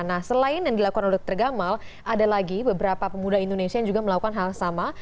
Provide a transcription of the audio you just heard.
nah selain yang dilakukan oleh dokter gamal ada lagi beberapa pemuda indonesia yang juga melakukan hal sama